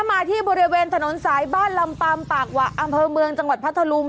มาที่บริเวณถนนสายบ้านลำปำกวะอังพลเมืองจังหวัดพัทธรุม